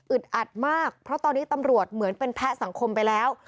อัดมากเพราะตอนนี้ตำรวจเหมือนเป็นแพ้สังคมไปแล้ว